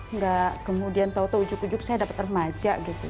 nggak kemudian tau tau ujuk ujug saya dapat remaja gitu